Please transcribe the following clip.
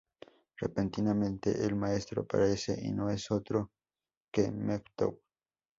Repentinamente, el Maestro aparece, y no es otro que Mewtwo.